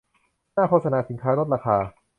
หน้าโฆษณาสินค้าลดราคา